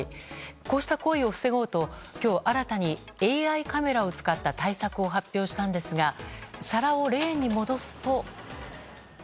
こうした行為を防ごうと今日新たにＡＩカメラを使った対策を発表したんですが皿をレーンに戻すと。